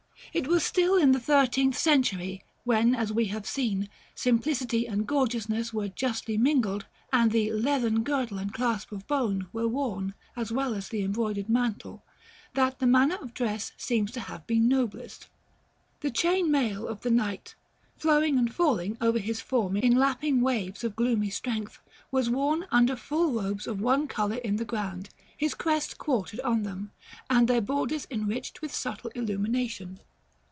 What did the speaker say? It was still in the thirteenth century, when, as we have seen, simplicity and gorgeousness were justly mingled, and the "leathern girdle and clasp of bone" were worn, as well as the embroidered mantle, that the manner of dress seems to have been noblest. The chain mail of the knight, flowing and falling over his form in lapping waves of gloomy strength, was worn under full robes of one color in the ground, his crest quartered on them, and their borders enriched with subtle illumination.